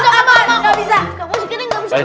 siapa yang nyuruh